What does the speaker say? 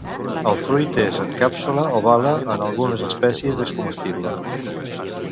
El fruit és en càpsula o baia en algunes espècies és comestible.